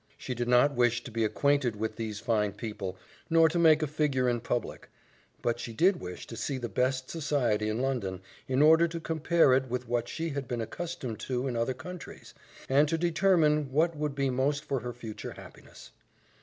She did not wish to be acquainted with these fine people, nor to make a figure in public; but she did wish to see the best society in London, in order to compare it with what she had been accustomed to in other countries, and to determine what would be most for her future happiness.